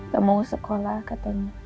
gak mau sekolah katanya